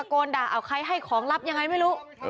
ลูกเอาใครตะโกนด่าเอาใครให้ของลับยังไงไม่รู้